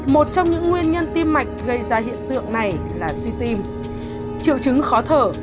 một trong những nguyên nhân tim mạch gây ra hiện tượng này là suy tim triệu chứng khó thở